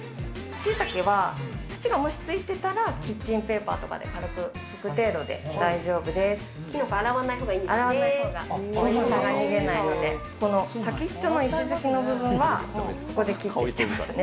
しいたけは、土がもしついてたらキッチンペーパーとかで軽く拭く程度で大丈夫洗わないほうがいいんですも洗わないで、この先っちょの石突きの部分はもうここで切って捨てますね。